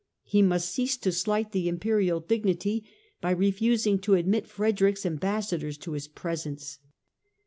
He must cease to slight the Imperial dignity by refusing to admit Frederick's ambassadors to his presence.